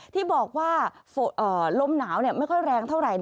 ที่บอกว่าลมหนาวไม่ค่อยแรงเท่าไหร่